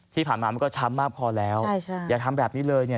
ที่ผ่านมามันก็ช้ำมากพอแล้วอย่าทำแบบนี้เลยเนี่ย